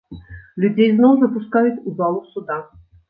Людзей зноў запускаюць у залу суда.